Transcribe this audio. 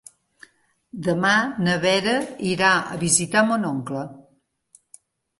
Demà na Vera irà a visitar mon oncle.